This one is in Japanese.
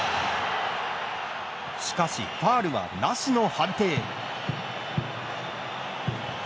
しかし、ファウルはなしの判定。